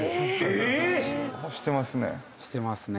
えっ⁉してますね。